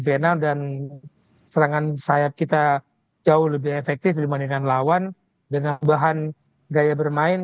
final dan serangan sayap kita jauh lebih efektif dibandingkan lawan dengan bahan gaya bermain